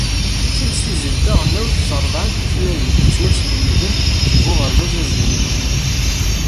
D timsizzelt taɣelnawt s rebɛa n tutlayin yettwaslemden deg uɣerbaz azzayri.